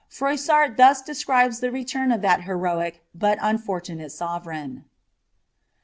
'' Froissart thus describes m letam of this heroic, but unfortunate sovereign.